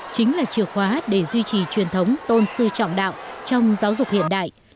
chính là chìa khóa để duy trì truyền thống tôn sư trọng đạo trong giáo dục hiện đại